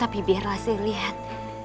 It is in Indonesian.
tapi biarlah saya lihat